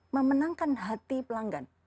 memenangkan hati pelanggan